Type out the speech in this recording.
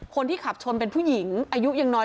คนที่ขับชนเป็นผู้หญิงอายุยังน้อย